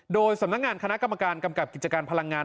โดยสำนักงานคณะกรรมการกำกับกิจการพลังงาน